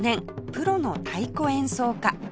プロの太鼓演奏家